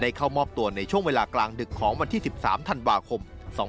เข้ามอบตัวในช่วงเวลากลางดึกของวันที่๑๓ธันวาคม๒๕๖๒